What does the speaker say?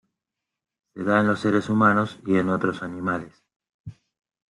Se da en los seres humanos y en otros animales.